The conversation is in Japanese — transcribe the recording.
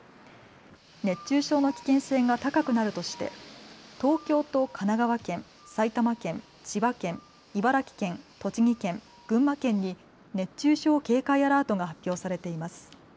熱中症の危険性が高くなるとして東京と神奈川県、埼玉県、千葉県、茨城県、栃木県、群馬県に熱中症警戒アラートが発表されています。